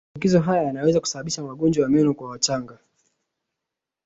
Maambukizo haya yanaweza kusababisha magonjwa ya meno kwa wachanga